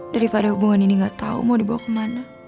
daripada hubungan ini gak tahu mau dibawa kemana